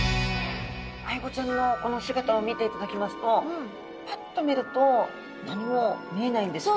アイゴちゃんのこの姿を見ていただきますとパッと見ると何も見えないんですが。